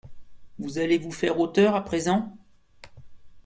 Vous allez vous faire auteur à présent ?